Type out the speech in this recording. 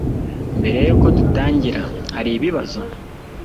Mbere yuko dutangira, hari ibibazo?